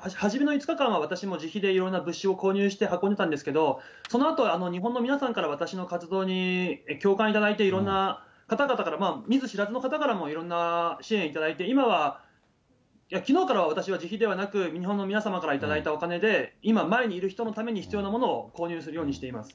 初めの５日間は、私も自費でいろんな物資を購入して運んでたんですけど、そのあと、日本の皆さんから私の活動に共感いただいて、いろんな方々から、見ず知らずの方からもいろんな支援いただいて、今は、きのうから私は自費ではなく、日本の皆様から頂いたお金で、今、前にいる人のために必要なものを購入するようにしています。